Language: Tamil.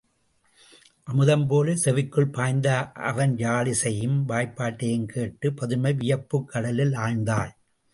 அமுதம் போலச் செவிக்குள் பாய்ந்த அவன் யாழிசையையும் வாய்ப்பாட்டையும் கேட்டுப் பதுமை வியப்புக் கடலுள் ஆழ்ந்தாள்.